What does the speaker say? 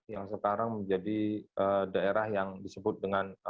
yang sekarang menjadi daerah yang disebut dengan